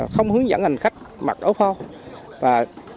không hướng dẫn hành khách mặc ốc hoa